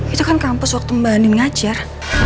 itu kan kampus waktu mba anin ngajar